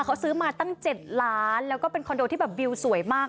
เขาซื้อมาตั้ง๗ล้านแล้วก็เป็นคอนโดที่แบบวิวสวยมาก